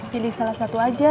pilih salah satu saja